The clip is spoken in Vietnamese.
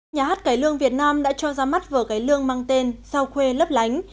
nhà hát cải lương việt nam đã cho ra mắt vở cải lương mang tên sao khuê lấp lánh